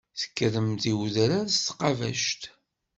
Tekkremt i wedrar s tqabact.